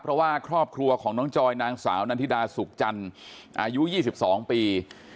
เพราะว่าครอบครัวของน้องจอยนางสาวนันทิดาสุขจันทร์อายุ๒๒ปี